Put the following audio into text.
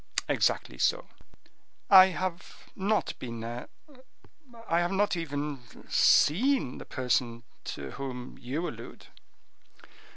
"Exactly so." "I have not been there; I have not even seen the person to whom you allude."